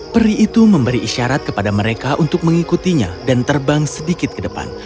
peri itu memberi isyarat kepada mereka untuk mengikutinya dan terbang sedikit ke depan